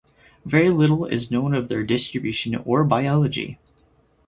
Very little is known of their distribution or biology.